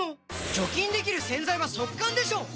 除菌できる洗剤は速乾でしょ！